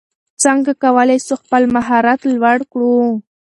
څنګه کولای سو خپل مهارت لوړ کړو؟